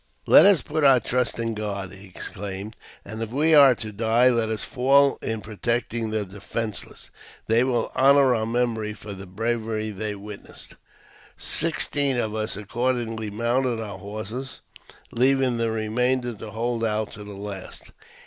*' Let us put our trust in God," he exclaimed, *' and if we are to die, let us fall in protecting the defenceless. They will honour our memory for the bravery they wit nessed." Sixteen of us accordingly mounted our horses, leaving the remainder to hold out to the last.